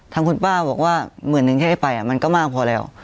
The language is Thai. ทางคุณป้าบอกว่า๑๐๐๐๐นิดเท่าไหร่ให้ไปมันก็มากพอแล้ว